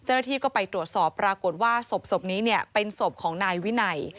เจ้าหน้าที่ก็ไปตรวจสอบปรากฏว่าศพนี้เป็นศพของนายวินัย